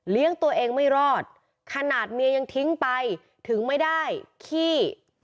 ตัวเองไม่รอดขนาดเมียยังทิ้งไปถึงไม่ได้ขี้